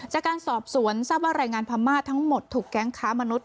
จากการสอบสวนทราบว่าแรงงานพม่าทั้งหมดถูกแก๊งค้ามนุษย